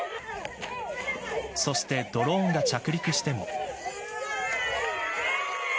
そしてドローンが着陸しても。